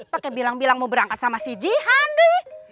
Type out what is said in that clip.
pakai bilang bilang mau berangkat sama si jihan dek